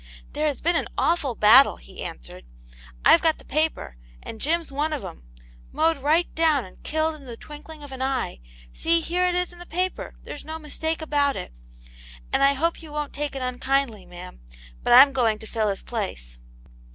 " There has been an awful battle," he answered. " IVe got the paper, and Jim*s one of *em ; mowed right down, and killed in the twinkling of an eye ; see, here it is in the paper ; there's no mistake about it. And I hope you won't take it unkindly, ma'am, but I'm going to fill his place."